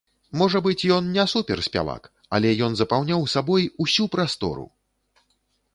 Можа быць, ён не суперспявак, але ён запаўняў сабой усю прастору!